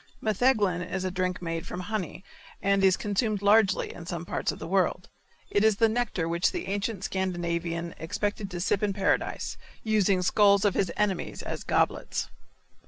Metheglin is a drink made from honey, and is consumed largely in some parts of the world. It is the nectar which the ancient Scandinavian expected to sip in paradise, using skulls of his enemies as goblets.